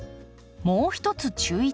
もう一つ注意点。